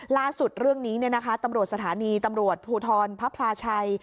ล่าสุดเรื่องนี้นะฮะตำรวจสถานีตำรวจฐฐนภพลาชัย